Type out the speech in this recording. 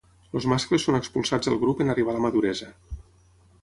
Els mascles són expulsats del grup en arribar a la maduresa.